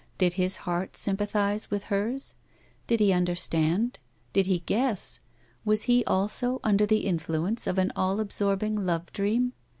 Did his heart sympathise with hers 1 Did he understand? did he guess? was he also under the influence of an all absorbing love dream